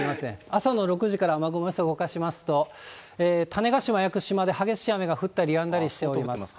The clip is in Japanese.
朝の６時から雨雲動かしますと、種子島、屋久島で激しい雨が降ったりやんだりしております。